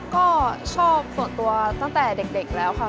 ก็ชอบส่วนตัวตั้งแต่เด็กแล้วค่ะ